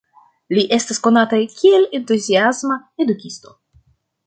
Li estas konata kiel entuziasma edukisto.